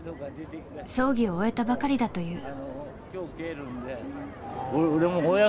葬儀を終えたばかりだという。